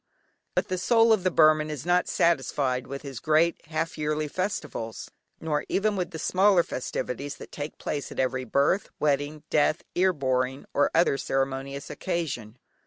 But the soul of the Burman is not satisfied with his great half yearly festivals, nor even with the smaller festivities that take place at every birth, wedding, death, "ear boring," or other ceremonious occasion.